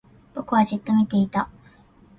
僕はじっと見ていた。特に理由があったわけじゃない。